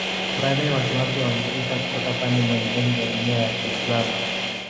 Baadaye watu wapya walifika kutoka pande mbalimbali za dunia ya Kiislamu.